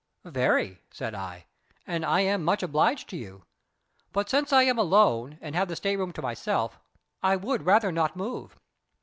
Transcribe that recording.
"Very," said I; "and I am much obliged to you. But since I am alone, and have the state room to myself, I would rather not move.